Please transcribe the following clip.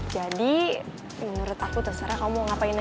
jadi menurut aku terserah kamu mau ngapain aja